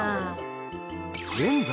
［現在